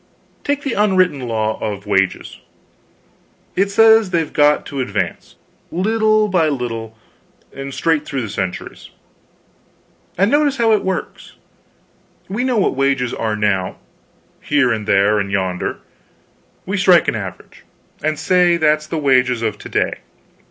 Take the unwritten law of wages: it says they've got to advance, little by little, straight through the centuries. And notice how it works. We know what wages are now, here and there and yonder; we strike an average, and say that's the wages of to day.